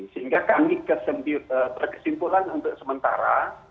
sehingga kami berkesimpulan untuk sementara